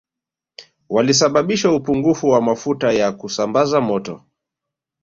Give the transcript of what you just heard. Walisababisha upungufu wa mafuta ya kusambaza moto